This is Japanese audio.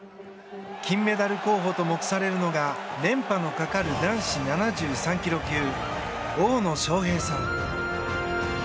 金メダル候補と目されるのが連覇のかかる男子７３ｋｇ級大野将平さん。